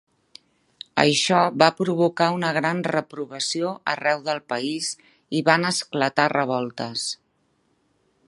Això va provocar una gran reprovació arreu del país i van esclatar revoltes.